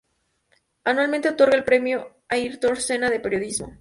Anualmente, otorga el Premio Ayrton Senna al Periodismo.